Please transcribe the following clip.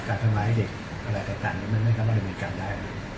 การทำร้ายเด็กอะไรต่างมันไม่ได้เข้าในบริการได้